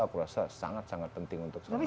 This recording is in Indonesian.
aku rasa sangat sangat penting untuk seorang aktor